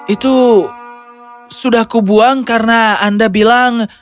itu sudah aku buang karena anda bilang